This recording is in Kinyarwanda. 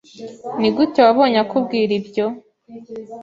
Nigute wabonye akubwira ibyo?